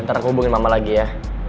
ntar hubungin mama lagi ya